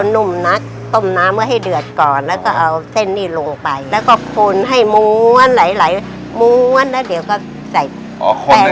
นุ่มนักต้มน้ำไว้ให้เดือดก่อนแล้วก็เอาเส้นนี้ลงไปแล้วก็คนให้ม้วนไหลม้วนแล้วเดี๋ยวก็ใส่